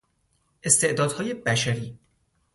استعدادهای بشری